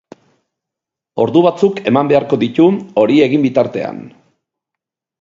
Ordu batzuk eman beharko ditu hori egin bitartean.